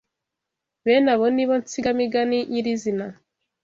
Bene abo ni bo nsigamigani nyirizina